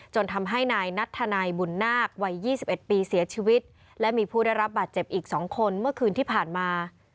ทำให้นายนัทธนัยบุญนาควัย๒๑ปีเสียชีวิตและมีผู้ได้รับบาดเจ็บอีก๒คนเมื่อคืนที่ผ่านมา